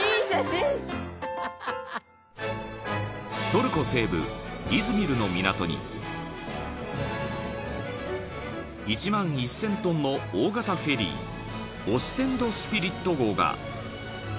［トルコ西部イズミルの港に１万１，０００ｔの大型フェリーオステンド・スピリット号が］